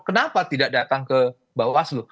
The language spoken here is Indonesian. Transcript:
kenapa tidak datang ke bawaslu